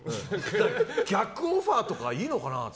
逆オファーとかいいのかなって。